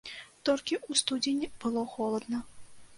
Толькі ў студзені было холадна.